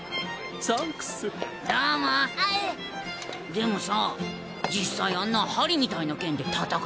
でもさ実際あんな針みたいな剣で戦えるのかね。